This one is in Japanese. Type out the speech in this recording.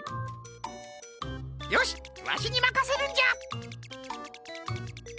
よしわしにまかせるんじゃ！